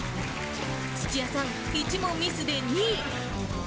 土屋さん、１問ミスで２位。